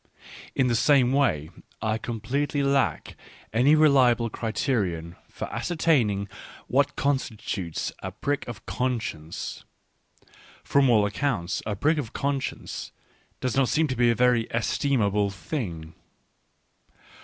In the same way I completely lack any reliable criterion for ascertaining what constitutes a prick of con science: from all accounts a prick of conscience does not seem to be a very estimable thing.